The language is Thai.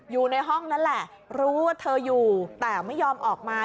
อยู่ในห้องนั่นแหละรู้ว่าเธออยู่แต่ไม่ยอมออกมา